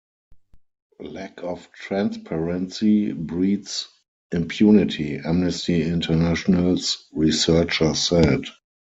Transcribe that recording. Lack of transparency breeds impunity, Amnesty Internationals researcher said.